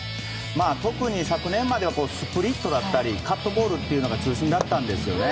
特に昨年まではスプリットとだったりカットボールというのが中心だったんですよね。